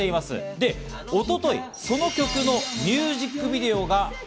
で、一昨日、その曲のミュージックビデオが解